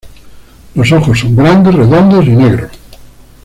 Los ojos son grandes, redondos y negros.